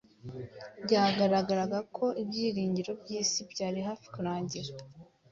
Byagaragaraga ko ibyiringiro by’isi byari hafi kurangira.